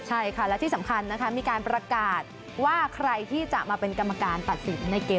ใช่ค่ะและที่สำคัญนะคะมีการประกาศว่าใครที่จะมาเป็นกรรมการตัดสินในเกม